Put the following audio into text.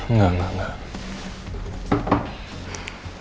enggak enggak enggak